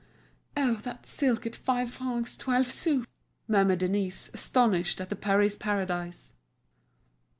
"Oh, that silk at five francs twelve sous!" murmured Denise, astonished at the "Paris Paradise."